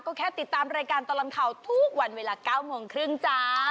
ก็แค่ติดตามรายการตลอดข่าวทุกวันเวลา๙โมงครึ่งจ้า